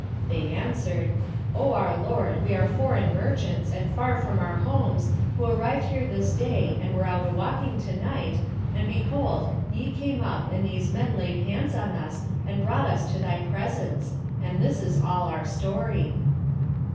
They answered, "O our lord, we are foreign merchants and far from our homes, who arrived here this day and were out a walking to night, and behold, ye came up and these men laid hands on us and brought us to thy presence; and this is all our story."